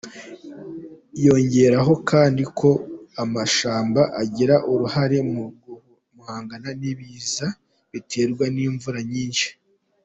Yongeraho kandi ko amashyamba agira uruhare mu guhangana n’ibiza biterwa n’imvura nyinshi.